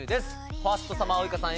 ファーストサマーウイカさん